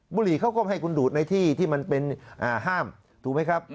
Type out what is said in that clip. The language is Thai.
บุหรี่เขาก็ไม่ให้คุณดูดในที่ที่มันเป็นห้ามถูกไหมครับ